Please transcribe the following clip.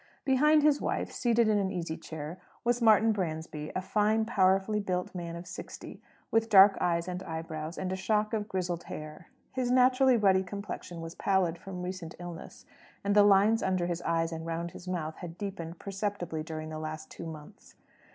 Behind his wife, seated in an easy chair, was Martin Bransby, a fine, powerfully built man of sixty, with dark eyes and eyebrows, and a shock of grizzled hair. His naturally ruddy complexion was pallid from recent illness, and the lines under his eyes and round his mouth had deepened perceptibly during the last two months.